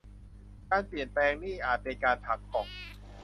การเปลี่ยนแปลง นี่อาจเป็น การผลักกล่อง